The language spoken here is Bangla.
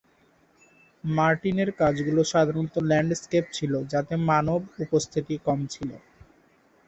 মার্টিনের কাজগুলি সাধারণত ল্যান্ডস্কেপ ছিল যাতে মানব উপস্থিতি কম ছিল।